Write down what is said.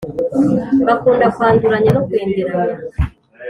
bakunda kwanduranya no kwenderanya